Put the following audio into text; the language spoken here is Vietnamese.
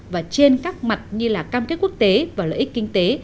và trên các mặt như là cam kết quốc tế và lợi ích kinh tế